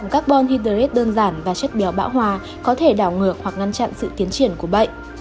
carbon hintech đơn giản và chất béo bão hòa có thể đảo ngược hoặc ngăn chặn sự tiến triển của bệnh